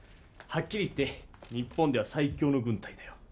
はっきり言って日本では最強の軍隊だよ。